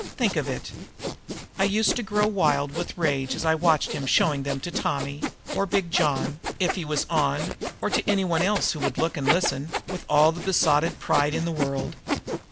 Think of it! I used to grow wild with rage as I watched him showing them to Tommy, or Big John, if he was on, or to anyone else who would look and listen, with all the besotted pride in the world.